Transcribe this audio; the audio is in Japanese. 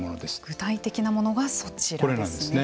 具体的なものがそちらですね。